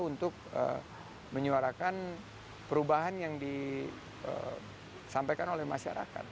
untuk menyuarakan perubahan yang disampaikan oleh masyarakat